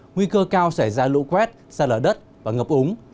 nguy cơ cao xảy ra lũ quét xa lở đất và ngập úng